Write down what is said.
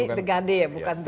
ini the gade ya bukan the gate